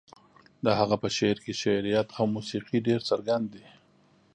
د هغه په شعر کې شعريت او موسيقي ډېر څرګند دي.